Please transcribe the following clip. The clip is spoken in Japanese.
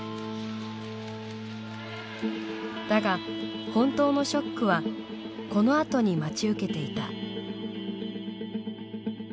だが本当のショックはこのあとに待ち受けていた。